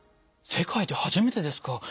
世界で初めてですか。